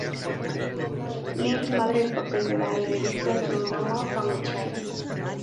Lift, madre del papel de Danny DeVito en "Throw Momma from the Train".